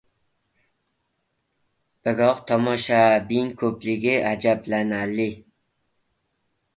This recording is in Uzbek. Biroq tomoshabin ko‘pligi ajablanarli.